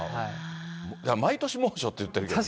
毎年、猛暑って言ってるけどね。